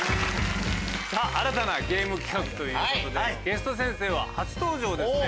新たなゲーム企画ということでゲスト先生は初登場ですね